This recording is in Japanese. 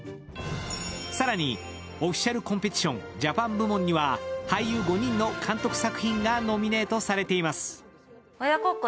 更に、オフィシャル・コンペティション・ジャパン部門には、俳優５人の監督作品がノミネートされています。